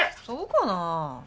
そうかな？